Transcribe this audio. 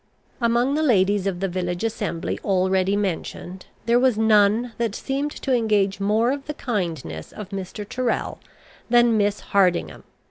Among the ladies of the village assembly already mentioned, there was none that seemed to engage more of the kindness of Mr. Tyrrel than Miss Hardingham.